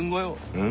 うん？